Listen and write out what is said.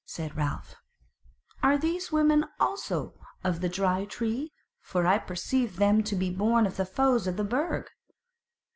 Said Ralph: "Are these women also of the Dry Tree? For I perceive them to be born of the foes of the Burg."